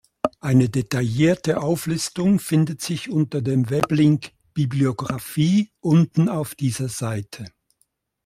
Eine detaillierte Auflistung findet sich unter dem Weblink „Bibliographie“ unten auf dieser Seite.